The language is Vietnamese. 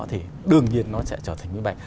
thì đương nhiên nó sẽ trở thành minh bạch